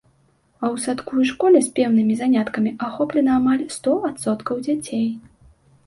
А ў садку і школе спеўнымі заняткамі ахоплена амаль сто адсоткаў дзяцей.